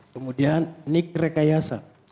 kemudian nik rekayasa